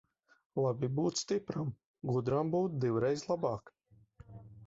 Labi būt stipram, gudram būt divreiz labāk.